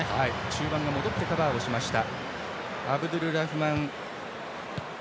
中盤が戻ってカバーしました。